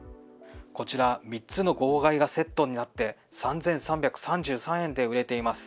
こちら、３つの号外がセットになって３３３３円で売れています。